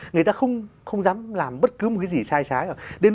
người ta không dám làm bất cứ một cái gì sai trái